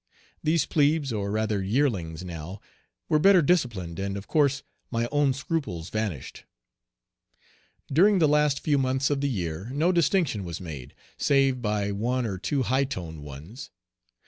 These plebes, or rather yearlings now, were better disciplined, and, of course, my own scruples vanished. During the last few months of the year no distinction was made, save by one or two high toned ones.